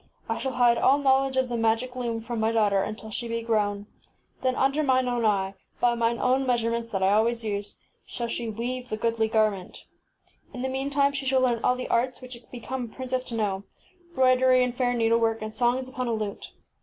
I shall hide all knowledge of the magic loom from my daughter until she be grown. Then, 'Utim flflirabtrsf under mine own eye, by mine own measurements that I always use, shall she weave the goodly garment. In the mean time she shall learn all the arts which become a princess to know ŌĆö broi dery and fair needlework, and songs upon a lute.